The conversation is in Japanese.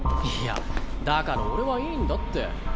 いやだから俺はいいんだって。